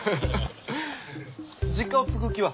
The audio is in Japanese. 実家を継ぐ気は？